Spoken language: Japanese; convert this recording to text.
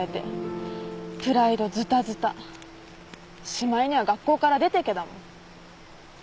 しまいには学校から出てけだもん。